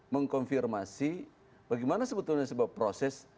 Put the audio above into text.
mengkonfirmasi bagaimana sebetulnya sebuah proses